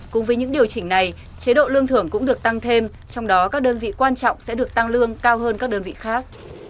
cùng với những điều chỉnh này chế độ lương thưởng cũng được tăng thêm trong đó các đơn vị quan trọng sẽ được tăng lương cao hơn các đơn vị khác